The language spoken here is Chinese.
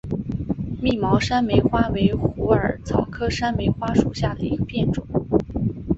密毛山梅花为虎耳草科山梅花属下的一个变种。